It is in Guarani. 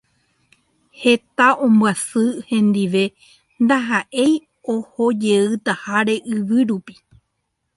Heta ombyasy hendive ndahaʼéi ohojeytaháre yvy rupi.